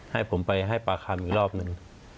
ให้ผมไปให้ปากคำอีกรอบหนึ่ง